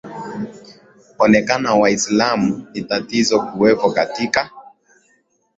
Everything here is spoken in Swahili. onekana waislamu ni tatizo kuwepo katika